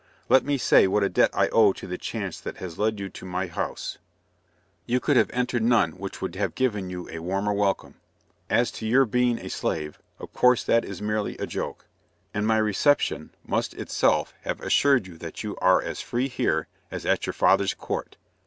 Let me say what a debt I owe to the chance that has led you to my house; you could have entered none which would have given you a warmer welcome. As to your being a slave, of course that is merely a joke, and my reception must itself have assured you that you are as free here as at your father's court.